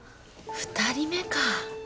２人目か。